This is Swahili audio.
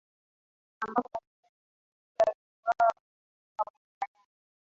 ambapo askari kumi na sita waliuwawa mwezi disemba mwaka jana